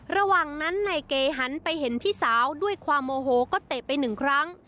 ระหว่างนั้นนายเกหันไปเห็นพี่สาวด้วยความโมโหก็เตะไปหนึ่งครั้ง